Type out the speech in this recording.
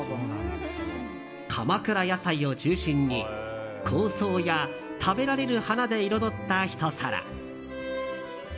鎌倉野菜を中心に香草や食べられる花で彩ったひと皿。